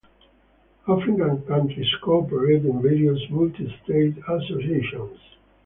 African countries cooperate in various multi-state associations.